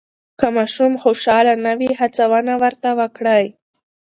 که ماشوم خوشحاله نه وي، هڅونه ورته وکړئ.